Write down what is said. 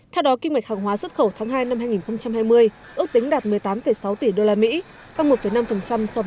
theo đó kinh mệch hàng hóa xuất khẩu tháng hai năm hai nghìn hai mươi ước tính đạt một mươi tám sáu tỷ usd tăng một năm so với cùng kỳ